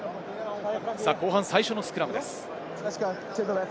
後半最初のスクラムです。